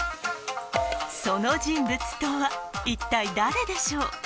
その人物とは一体誰でしょう？